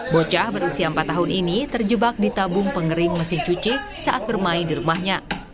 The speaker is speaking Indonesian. bocah berusia empat tahun ini terjebak di tabung pengering mesin cuci saat bermain di rumahnya